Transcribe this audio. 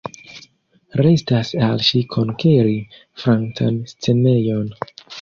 Restas al ŝi konkeri Francan scenejon.